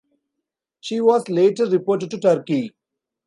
She was later deported to Turkey.